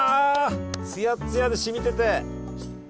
ツヤッツヤでしみてて。